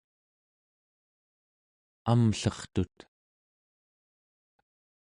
amllertut